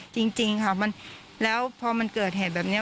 จริงค่ะแล้วพอมันเกิดเหตุแบบนี้